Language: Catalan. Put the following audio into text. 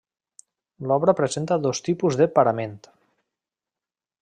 L'obra presenta dos tipus de parament.